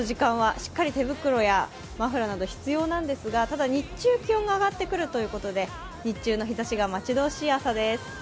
しっかり手袋やマフラーなど必要なんですがただ日中、気温が上がってくるということで日中の日ざしが待ち遠しい朝です。